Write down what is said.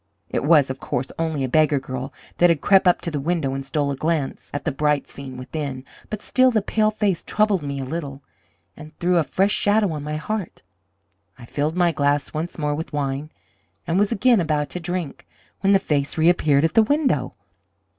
It was, of course, only a beggar girl that had crept up to the window and stole a glance at the bright scene within; but still the pale face troubled me a little, and threw a fresh shadow on my heart. I filled my glass once more with wine, and was again about to drink, when the face reappeared at the window.